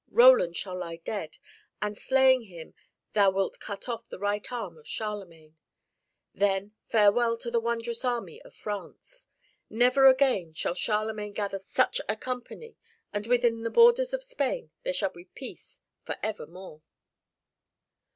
Roland shall lie dead, and slaying him thou wilt cut off the right arm of Charlemagne. Then farewell to the wondrous army of France. Never again shall Charlemagne gather such a company, and within the borders of Spain there shall be peace for evermore."